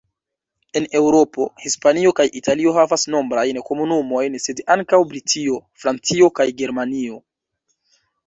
En Eŭropo, Hispanio kaj Italio havas nombrajn komunumojn sed ankaŭ Britio, Francio kaj Germanio.